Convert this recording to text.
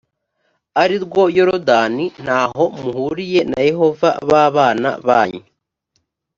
ari rwo yorodani nta ho muhuriye na yehova b abana banyu